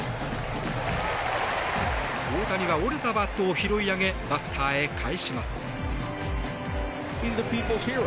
大谷は折れたバットを拾い上げバッターへ返します。